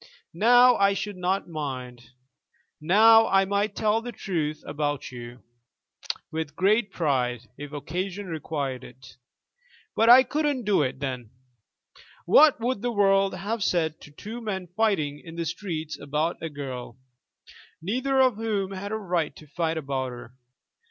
Now I should not mind. Now I might tell the truth about you, with great pride, if occasion required it. But I couldn't do it then. What would the world have said to two men fighting in the streets about a girl, neither of whom had a right to fight about her?